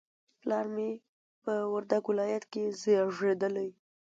پلار مې په وردګ ولایت کې زیږدلی